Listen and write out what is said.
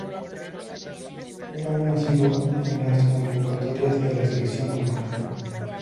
Era un asiduo en las convocatorias de la Selección Rumana.